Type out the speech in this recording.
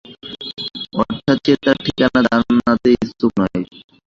অর্থাৎ সে তার ঠিকানা জানাতে ইচ্ছুক নয়।